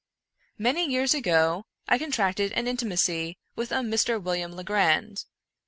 Many years ago, I contracted an intimacy with a Mr. William Legrand.